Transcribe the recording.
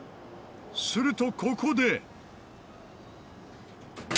するとここで。